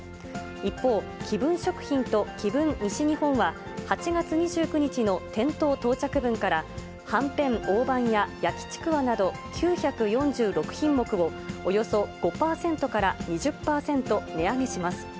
一方、紀文食品と紀文西日本は、８月２９日の店頭到着分から、はんぺん大判や焼きちくわなど、９４６品目を、およそ５％から２０％値上げします。